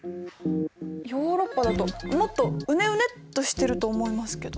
ヨーロッパだともっとウネウネッとしてると思いますけど。